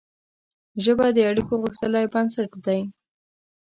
ژبه د اړیکو غښتلی بنسټ دی